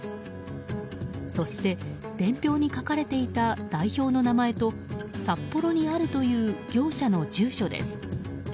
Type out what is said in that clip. そして、伝票に書かれていた代表の名前と札幌にあるという業者の住所です。